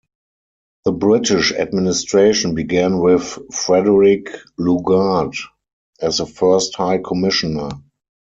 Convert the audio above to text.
The British Administration began with Frederick Lugard as the first High Commissioner.